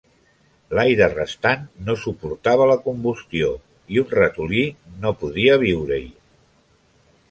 L'aire restant no suportava la combustió, i un ratolí no podria viure-hi.